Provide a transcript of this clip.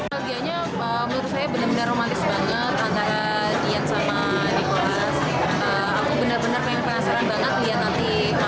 aku benar benar penasaran banget lihat nanti